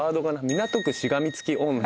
「港区しがみつき女？」。